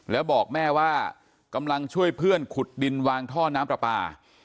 แล้วบอกแม่ว่ากำลังช่วยเพื่อนขุดดินวางท่อน้ำปลาปลา